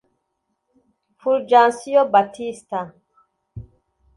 Fulgencio Batista